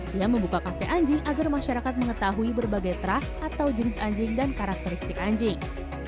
dia membuka kafe anjing agar masyarakat mengetahui berbagai terah atau jenis anjing dan karakteristik anjing